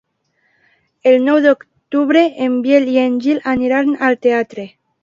El nou d'octubre en Biel i en Gil aniran al teatre.